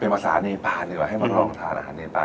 เป็นภาษาเนปานดีกว่าให้มาลองทานอาหารเนปาน